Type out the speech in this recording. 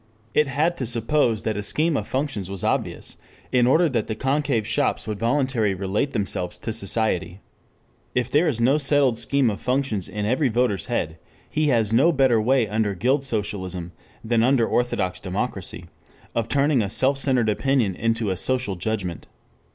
It had to suppose that a scheme of functions was obvious in order that the concave shops would voluntarily relate themselves to society. If there is no settled scheme of functions in every voter's head, he has no better way under guild socialism than under orthodox democracy of turning a self centered opinion into a social judgment.